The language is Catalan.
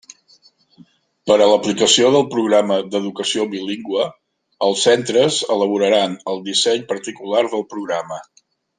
Per a l'aplicació del programa d'educació bilingüe, els centres elaboraran el disseny particular del programa.